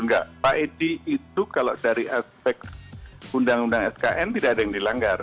enggak pak edi itu kalau dari aspek undang undang skn tidak ada yang dilanggar